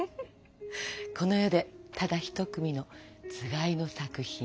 この世でただひと組のつがいの作品。